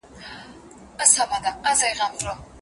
آیا ښکلا تر بدرنګۍ زړه راښکونکې ده؟